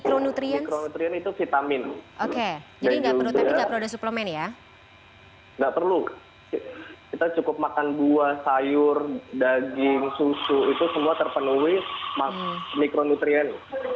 kita cukup makan buah sayur daging susu itu semua terpenuhi mikronutrien